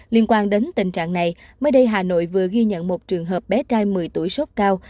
liên quan đến tình trạng này mới đây hà nội vừa ghi nhận một trường hợp bé trai một mươi tuổi sốt cao